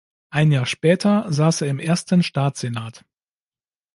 Ein Jahr später saß er im ersten Staatssenat.